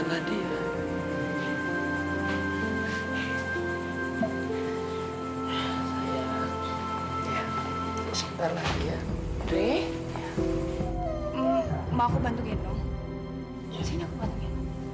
nggak ada dewi